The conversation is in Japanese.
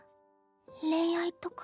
恋愛とか。